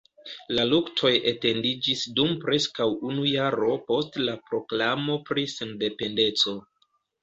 La luktoj etendiĝis dum preskaŭ unu jaro post la proklamo pri sendependeco.